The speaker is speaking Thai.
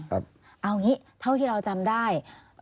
เอาอย่างนี้เท่าที่เราจำได้